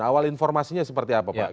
awal informasinya seperti apa pak